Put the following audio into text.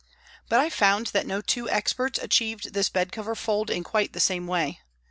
But I found that no two experts achieved this bed cover fold in quite the same way.